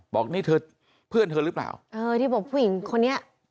บอกนี่เธอเพื่อนเธอหรือเปล่าเออที่บอกผู้หญิงคนนี้